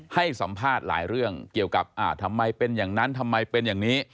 ให้สัมภาษณ์หลายเรื่องเกี่ยวกับทำไมเป็นอย่างนั้นทำไมเป็นอย่างนี้